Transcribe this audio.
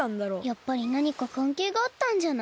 やっぱりなにかかんけいがあったんじゃない？